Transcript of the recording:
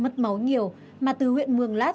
mất máu nhiều mà từ huyện mường lát